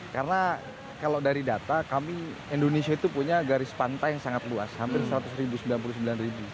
karena kalau dari data kami indonesia itu punya garis pantai yang sangat luas hampir seratus ribu sembilan puluh sembilan ribu